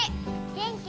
元気？